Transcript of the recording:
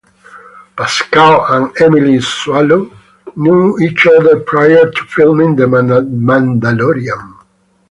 Pascal and Emily Swallow knew each other prior to filming "The Mandalorian".